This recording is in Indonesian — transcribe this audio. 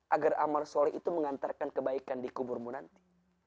agar amal soleh itu mengantarkan kebaikan di kuburmu nanti